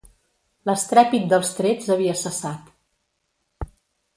L'estrèpit dels trets havia cessat